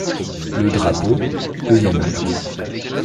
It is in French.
Le drapeau. — Deuxième acte